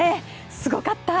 すごかった！